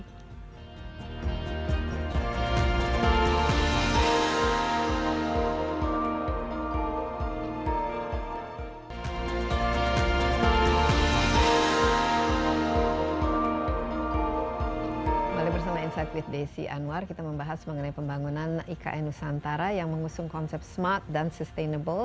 kembali bersama insight with desi anwar kita membahas mengenai pembangunan ikn nusantara yang mengusung konsep smart dan sustainable